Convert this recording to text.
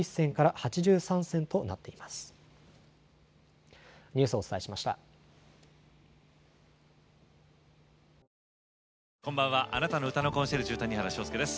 あなたの歌のコンシェルジュ谷原章介です。